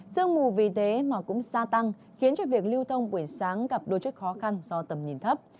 sương mù vì thế mà cũng xa tăng khiến việc lưu thông quỷ sáng gặp đôi chất khó khăn do tầm nhìn thấp